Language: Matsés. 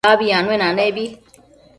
Abi anuenanebi